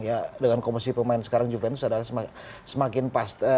ya dengan komposisi pemain sekarang juventus adalah semakin pas